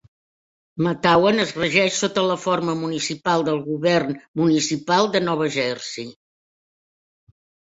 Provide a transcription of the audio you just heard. Matawan es regeix sota la forma municipal del govern municipal de Nova Jersey.